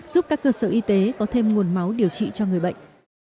giúp các cơ sở y tế có thêm nguồn máu điều trị cho người bệnh